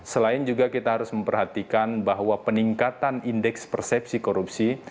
selain juga kita harus memperhatikan bahwa peningkatan indeks persepsi korupsi